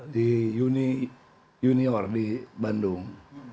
di uni junior di bandung